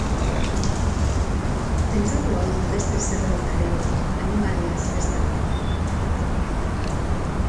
Pentsatu al dun beste zerbait garela, animaliaz bestalde?